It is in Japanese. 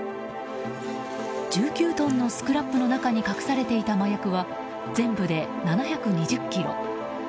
１９トンのスクラップの中に隠されていた麻薬は全部で７２０ｋｇ。